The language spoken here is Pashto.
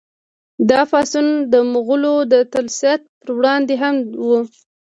دا پاڅون د مغولو د تسلط پر وړاندې هم و.